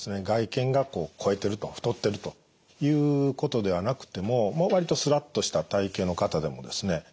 外見が肥えてると太っているということではなくても割とスラッとした体型の方でもですね